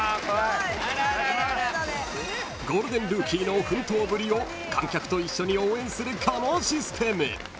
［ゴールデンルーキーの奮闘ぶりを観客と一緒に応援するこのシステム］